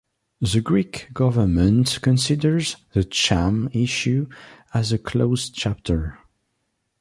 The Greek government considers the Cham Issue as a closed chapter.